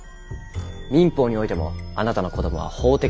民法においてもあなたの子どもは法的責任がある。